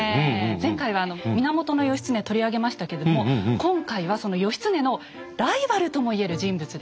前回は源義経取り上げましたけども今回はその義経のライバルとも言える人物です。